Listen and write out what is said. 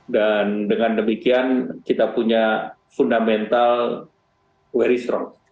dan dengan demikian kita punya fundamental very strong